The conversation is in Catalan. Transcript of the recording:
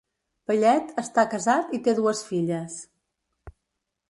Paillet està casat i té dues filles.